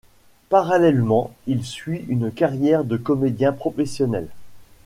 Parallèlement, il suit une carrière de comédien professionnel.